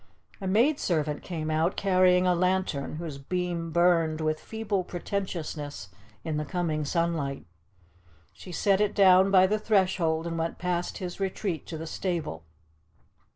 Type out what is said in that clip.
A maidservant came out carrying a lantern, whose beam burned with feeble pretentiousness in the coming sunlight. She set it down by the threshold and went past his retreat to the stable.